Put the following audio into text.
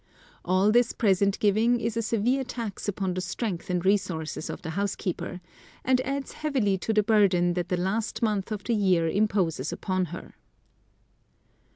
All this present giving is a severe tax upon the strength and resources of the housekeeper, and adds heavily to the burden that the last month of the year imposes upon her.